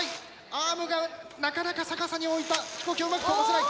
アームがなかなか逆さに置いた飛行機をうまく飛ばせない。